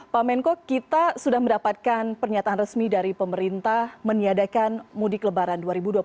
pak menko kita sudah mendapatkan pernyataan resmi dari pemerintah meniadakan mudik lebaran dua ribu dua puluh satu